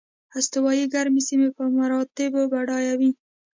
استوایي ګرمې سیمې په مراتبو بډایه وې.